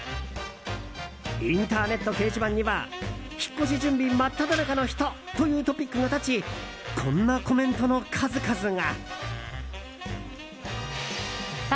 インターネット掲示板には引っ越し準備真っ只中の人！というトピックが立ちこんなコメントの数々が。